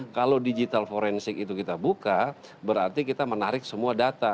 kalau digital forensik itu kita buka berarti kita menarik semua data